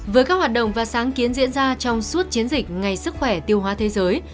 với các hoạt động và sáng kiến diễn ra trong suốt chiến dịch ngày sức khỏe tiêu hóa thế giới